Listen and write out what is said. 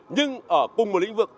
nhưng ở cùng một lĩnh vực